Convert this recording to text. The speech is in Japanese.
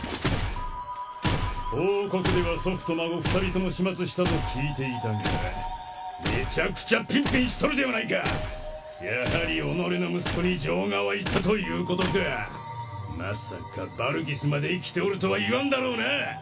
報告では祖父と孫二人とも始末したと聞いていたがめちゃくちゃピンピンしとるではないかやはり己の息子に情が湧いたということかまさかバルギスまで生きておるとは言わんだろうな？